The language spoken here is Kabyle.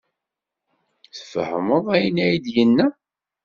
Tfehmeḍ ayen ay d-yenna?